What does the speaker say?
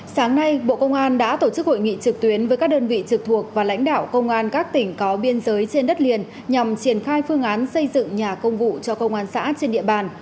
sáng nay bộ công an đã tổ chức hội nghị trực tuyến với các đơn vị trực thuộc và lãnh đạo công an các tỉnh có biên giới trên đất liền nhằm triển khai phương án xây dựng nhà công vụ cho công an xã trên địa bàn